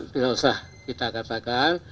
tidak usah kita katakan